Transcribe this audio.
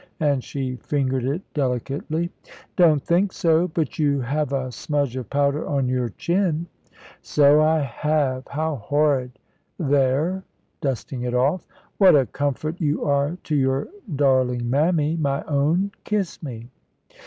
and she fingered it delicately. "Don't think so; but you have a smudge of powder on your chin." "So I have. How horrid! There!" dusting it off. "What a comfort you are to your darling mammy, my own! Kiss me."